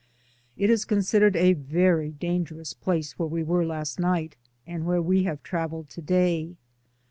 It is considered a very dangerous place where we were last night and where we have traveled to day.